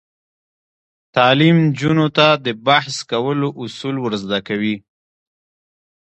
تعلیم نجونو ته د بحث کولو اصول ور زده کوي.